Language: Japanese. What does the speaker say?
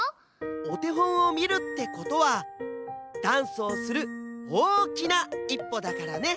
おてほんをみるってことはダンスをするおおきないっぽだからね！